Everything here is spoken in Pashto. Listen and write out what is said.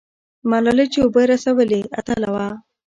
ملالۍ چې اوبه رسولې، اتله وه.